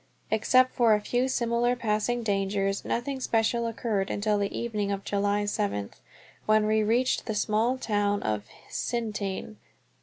Except for a few similar passing dangers, nothing special occurred until the evening of July seventh, when we reached the small town of Hsintien.